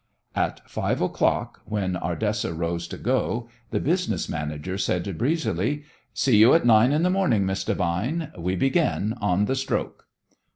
At five o'clock, when Ardessa rose to go, the business manager said breezily: "See you at nine in the morning, Miss Devine. We begin on the stroke."